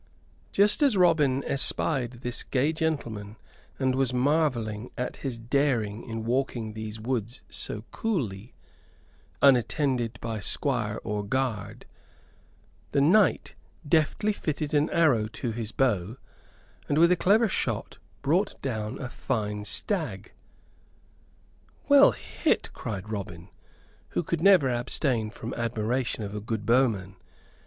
Just as Robin espied this gay gentleman and was marvelling at his daring in walking these woods so coolly, unattended by squire or guard, the knight deftly fitted an arrow to his bow, and with a clever shot brought down a fine stag. "Well hit," cried Robin, who could never abstain from admiration of a good bowman.